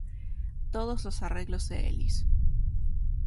Todos los arreglos de Elis.